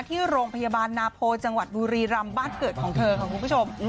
ที่โรงพยาบาลนาโพจังหวัดบุรีรำบ้านเกิดของเธอค่ะคุณผู้ชม